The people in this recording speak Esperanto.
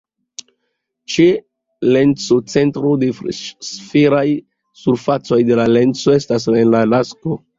Ĉe lenso centroj de sferaj surfacoj de la lenso estas en la akso.